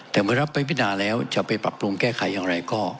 แต่เมื่อรับไปพินาแล้วจะไปปรับปรุงแก้ไขอย่างไรก็